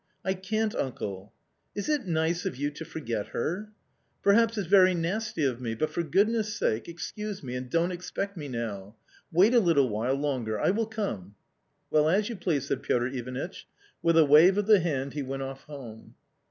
" I can't, uncle." " Is it nice of you to forget her ?"" Perhaps it's very nasty of me, but, for goodness* sake, excuse me and don't expect me now. Wait a little while longer, I will come." "Well, as you please," said Piotr Ivanitch. With a wave of the hand he went off home.